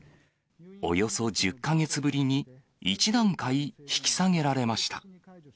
およそ１０か月ぶりに１段階引き下げられました。